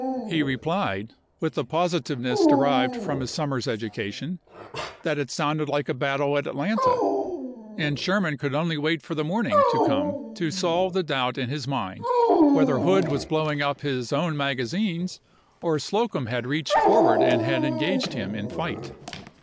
He replied — with the positiveness derived from his summer's education — that it sounded like a battle at Atlanta, and Sher man could only wait for the morning to come to solve the doubt in his mind whether Hood was blowing up his own magazines or Slocum had reached forward and had engaged him in fight.